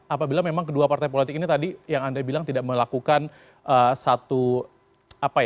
apabila memang kedua partai politik ini tadi yang anda bilang tidak melakukan satu apa ya